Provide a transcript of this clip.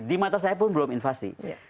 di mata saya pun belum invasi